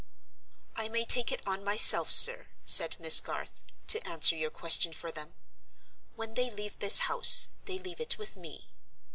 "I may take it on myself, sir," said Miss Garth, "to answer your question for them. When they leave this house, they leave it with me.